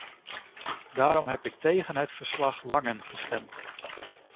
Daarom heb ik tegen het verslag-Langen gestemd.